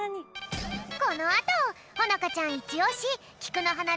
このあとほのかちゃんイチオシきくのはな